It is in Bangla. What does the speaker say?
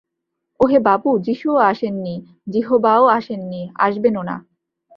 ওহে বাপু, যীশুও আসেননি, যিহোবাও আসেননি, আসবেনও না।